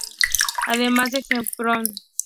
Además de "Jeopardy!